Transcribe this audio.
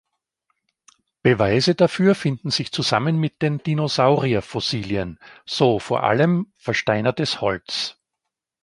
Beweise dafür finden sich zusammen mit den Dinosaurierfossilien, so vor allem versteinertes Holz.